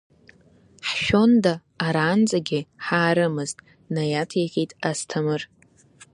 Ҳшәонда аранӡагьы ҳаарымызт, наҭеикит Асҭамыр.